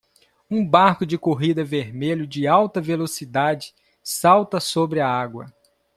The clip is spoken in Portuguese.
Um barco de corrida vermelho de alta velocidade salta sobre a água.